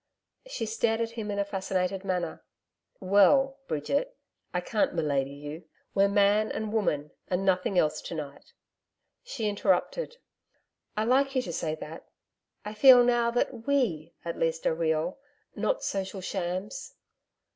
She stared at him in a fascinated manner. 'Well Bridget I can't milady you. We're man and woman and nothing else to night....' She interrupted. 'I like you to say that. I feel now that WE, at least, are real not social shams.'